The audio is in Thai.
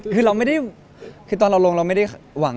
คือเราไม่ได้คือตอนเราลงเราไม่ได้หวัง